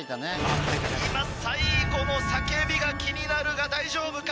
今最後の叫びが気になるが大丈夫か？